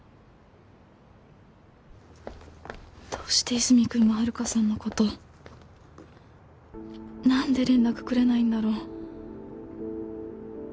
どうして和泉君が遥さんのこと何で連絡くれないんだろう